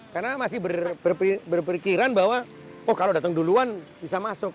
karena masih berpikiran bahwa oh kalau datang duluan bisa masuk